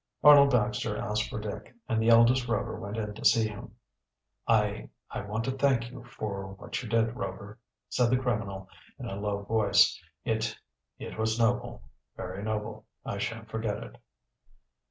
Arnold Baxter asked for Dick and the eldest Rover went in to see him. "I I want to thank you for what you did, Rover," said the criminal in a low voice. "It it was noble, very noble. I shan't forget it."